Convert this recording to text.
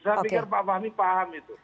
saya pikir pak fahmi paham itu